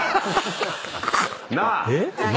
⁉なあ！